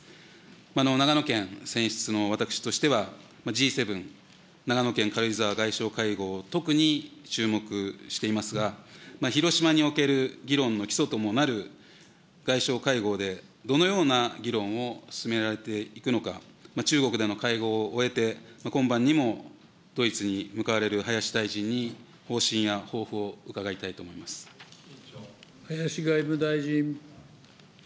長野県選出の私としては、Ｇ７、長野県軽井沢外相会合、特に注目していますが、広島における議論の基礎ともなる外相会合で、どのような議論を進められていくのか、中国での会合を終えて、今晩にもドイツに向かわれる林大臣に、方針や方法を伺いたいと思林外務大臣。